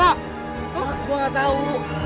tadi dia gue takut takut